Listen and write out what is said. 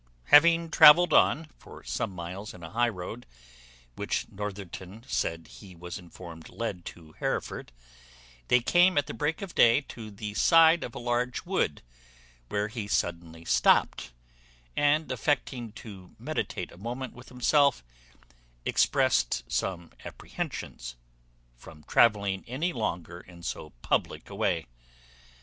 Having travelled on for some miles in a high road, which Northerton said he was informed led to Hereford, they came at the break of day to the side of a large wood, where he suddenly stopped, and, affecting to meditate a moment with himself, expressed some apprehensions from travelling any longer in so public a way.